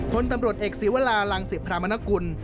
พลตำรวจเอกศีวรารังศิพรามนกุล